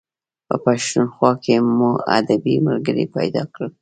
په پښتونخوا کې مو ادبي ملګري پیدا کړل.